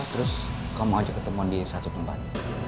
terus kamu ajak ketemuan di satu tempat